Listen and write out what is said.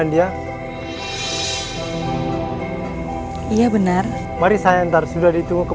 dia pasti mau menipuku